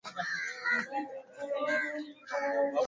bi hellen unafikiri nchi za afrika zifanye nini sasa